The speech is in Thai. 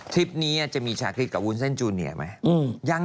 ทริปนี้จะมีชาคิตกับวุ้นเซ็นต์จูเนียร์ไหม